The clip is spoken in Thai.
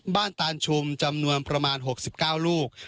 ตานชุมจำนวนประมาณ๖๙ลูก